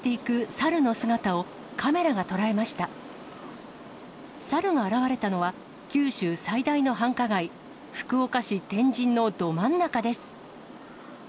猿が現れたのは、九州最大の繁華街、福岡市天神のど真ん中です。